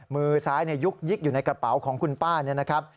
มือซ้ายยุกยิกอยู่ในกระเป๋าของคุณป้าเนี่ยนะครับ